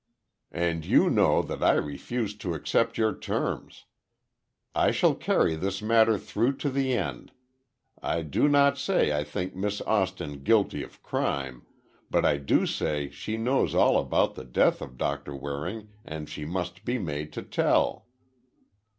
"And you know that I refused to accept your terms. I shall carry this matter through to the end. I do not say I think Miss Austin guilty of crime, but I do say she knows all about the death of Doctor Waring and she must be made to tell."